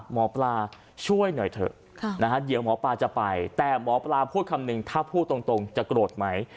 หมอปลาช่วยหน่อยเถอะเดี๋ยวหมอปลาจะไปแต่หมอปลาพูดคำนึงถ้าพูดตรงจะโกรธไหม